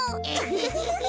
フフフフフ。